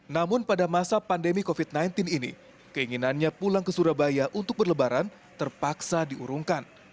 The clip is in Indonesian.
namun pada masa pandemi covid sembilan belas ini keinginannya pulang ke surabaya untuk berlebaran terpaksa diurungkan